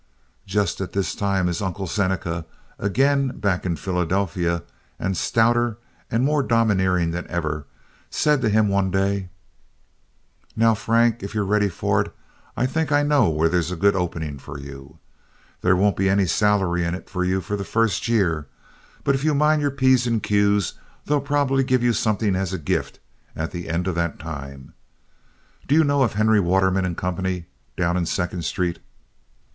Just at this time his Uncle Seneca, again back in Philadelphia and stouter and more domineering than ever, said to him one day: "Now, Frank, if you're ready for it, I think I know where there's a good opening for you. There won't be any salary in it for the first year, but if you mind your p's and q's, they'll probably give you something as a gift at the end of that time. Do you know of Henry Waterman & Company down in Second Street?"